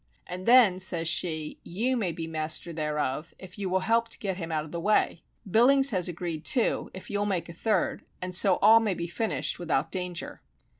And then, says she, _you may be master thereof, if you will help to get him out of the way. Billings has agreed too, if you'll make a third, and so all may be finished without danger.